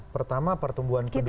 pertama pertumbuhan penduduk